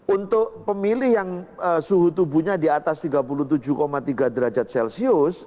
untuk pemilih yang suhu tubuhnya di atas tiga puluh tujuh tiga derajat celcius